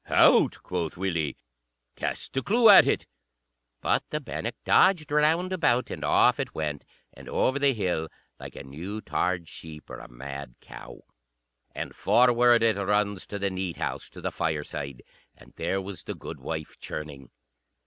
"Hout," quoth Willie, "cast the clue at it." But the bannock dodged round about, and off it went, and over the hill, like a new tarred sheep or a mad cow. And forward it runs to the neat house, to the fireside; and there was the goodwife churning.